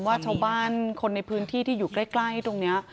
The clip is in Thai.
ว่าชาวบ้านคนในพื้นที่ที่อยู่ใกล้ตรงนี้